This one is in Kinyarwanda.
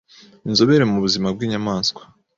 Inzobere mu buzima bw’inyamaswa